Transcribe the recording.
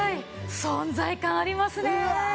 存在感ありますね。